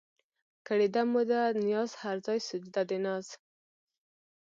کړېده مو ده نياز هر ځای سجده د ناز